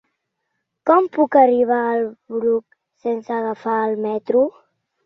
Com puc arribar al Bruc sense agafar el metro?